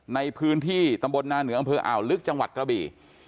ในพื้นที่ตำบลนาเหนืออำเภออ่าวลึกจังหวัดกระบี่